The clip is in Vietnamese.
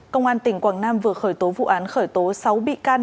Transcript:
công an tỉnh quảng nam vừa khởi tố vụ án khởi tố sáu bị can